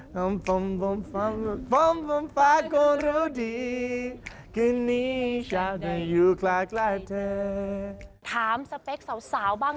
คำว่าหนุ่มในแต่ละคนชอบสาวแบบ